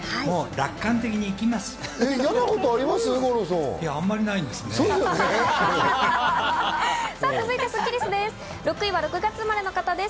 楽観的にいきます。